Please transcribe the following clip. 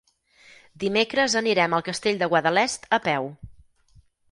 Dimecres anirem al Castell de Guadalest a peu.